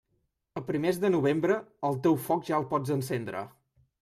A primers de novembre, el teu foc ja el pots encendre.